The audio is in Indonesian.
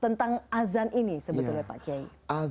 tentang azan ini sebetulnya pak kiai